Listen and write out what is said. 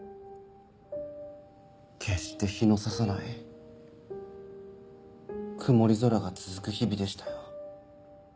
決して日の差さない曇り空が続く日々でしたよ。